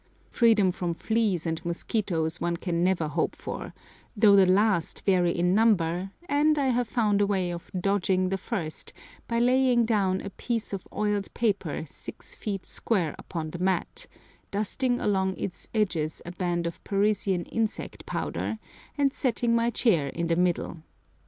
Freedom from fleas and mosquitoes one can never hope for, though the last vary in number, and I have found a way of "dodging" the first by laying down a piece of oiled paper six feet square upon the mat, dusting along its edges a band of Persian insect powder, and setting my chair in the middle.